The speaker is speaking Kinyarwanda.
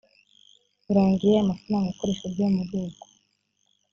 urangiye amafaranga akoreshejwe muri ubwo